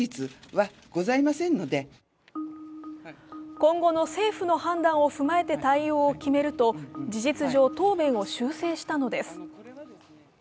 今後の政府の判断を踏まえて対応を決めると事実上、答弁を修正したのです。